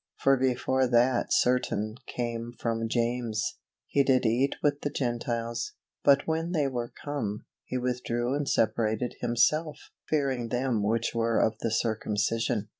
For before that certain came from James, he did eat with the Gentiles; but when they were come, he withdrew and separated himself, fearing them which were of the circumcision.